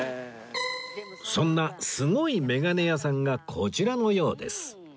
そんなすごいメガネ屋さんがこちらのようです